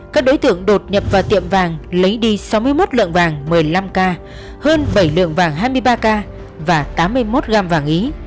các đối tượng đột nhập vào tiệm vàng lấy đi sáu mươi một lượng vàng một mươi năm k hơn bảy lượng vàng hai mươi ba k và tám mươi một gram vàng ý